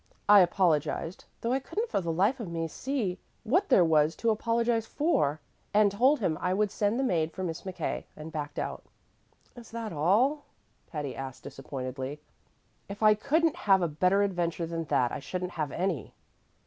I apologized, though I couldn't for the life of me see what there was to apologize for, and told him I would send the maid for Miss McKay, and backed out." "Is that all?" Patty asked disappointedly. "If I couldn't have a better adventure than that, I shouldn't have any."